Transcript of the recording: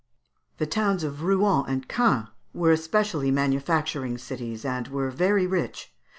The towns of Rouen and Caen were especially manufacturing cities, and were very rich.